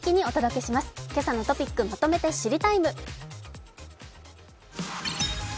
「けさのトピックまとめて知りＴＩＭＥ，」。